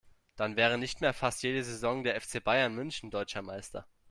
Dann wäre nicht mehr fast jede Saison der FC Bayern München deutscher Meister.